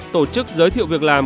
năm tổ chức giới thiệu việc làm